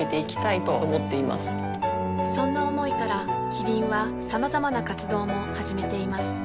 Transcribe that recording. そんな思いからキリンはさまざまな活動も始めています